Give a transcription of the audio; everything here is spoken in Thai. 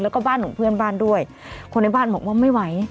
แล้วก็บ้านของเพื่อนบ้านด้วยคนในบ้านบอกว่าไม่ไหว